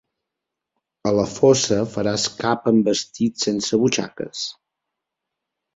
A la fossa faràs cap amb vestit sense butxaques.